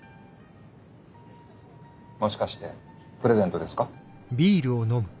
もしかしてプレゼントですか？